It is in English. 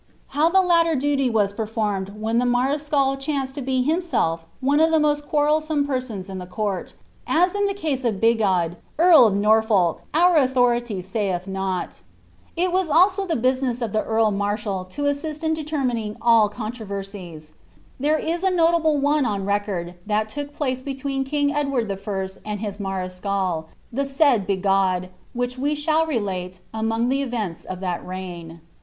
How the latter duty was per fijrmed when the mareschal chanced to be himself one of the most quar relsome persons in the court, as in the case of Bigod earl of Noifolk, our authority saith not It was also the business of the earl marshal to assist in determining all controversies : there is a notable one on record, that took place between king Edward the First and his mareschal, the said Bigod, which we shall relate, among the events of that reign.